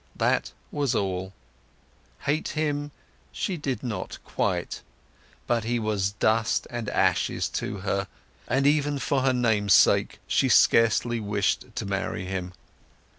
That was all. Hate him she did not quite; but he was dust and ashes to her, and even for her name's sake she scarcely wished to marry him.